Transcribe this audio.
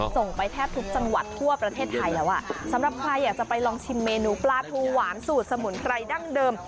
ส่งไปแทบทุกจังหวัดทั่วประเทศไทยแล้วอ่ะสำหรับใครอยากจะไปลองชิมเมนูปลาทูหวานสูตรสมุนไพรดั้งเดิม